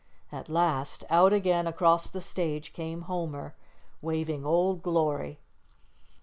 At last, out again across the stage came Homer, waving "Old Glory."